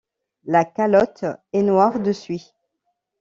La calotte est noir de suie.